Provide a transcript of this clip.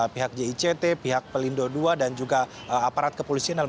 pihak jict pihak pelindo ii dan juga aparat kepolisian